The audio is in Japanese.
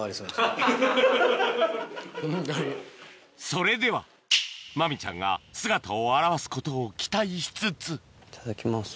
それではマミちゃんが姿を現すことを期待しつついただきます。